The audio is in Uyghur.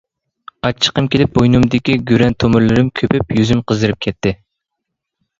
ئاچچىقىم كېلىپ، بوينۇمدىكى گۈرەن تومۇرلىرىم كۆپۈپ، يۈزۈم قىزىرىپ كەتتى.